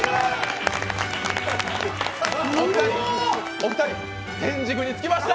お二人、天じくに着きました。